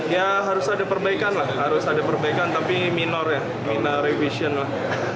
ya harus ada perbaikan lah harus ada perbaikan tapi minor ya minor revision lah